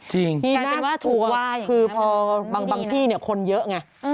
จริงกลายเป็นว่าถูกว่าคือพอบางบางที่เนี้ยคนเยอะไงอืม